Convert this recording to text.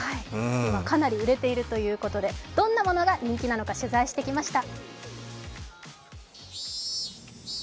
かなり売れているということでどんなものが人気なのか取材してきました。